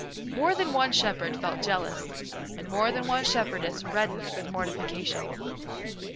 More than one shepherd felt jealous, and more than one shepherdess reddened with mortification.